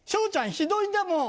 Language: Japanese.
ひどいんだもん。